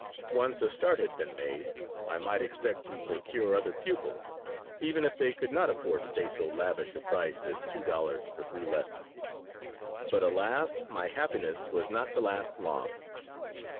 Once a start had been made, I might expect to procure other pupils, even if they could not afford to pay so lavish a price as two dollars for three lessons But alas! My happiness was not to last long.